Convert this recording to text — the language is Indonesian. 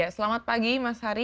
selamat pagi mas hari